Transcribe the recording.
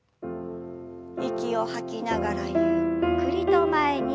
息を吐きながらゆっくりと前に。